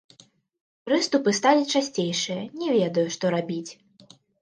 Прыступы сталі часцейшыя, не ведаю, што рабіць!